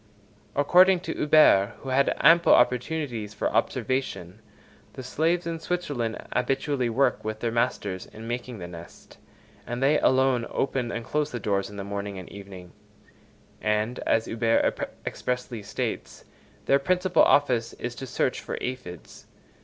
According to Huber, who had ample opportunities for observation, the slaves in Switzerland habitually work with their masters in making the nest, and they alone open and close the doors in the morning and evening; and, as Huber expressly states, their principal office is to search for aphides.